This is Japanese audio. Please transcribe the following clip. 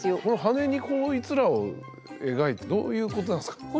この羽にこいつらを描いてどういうことなんすか？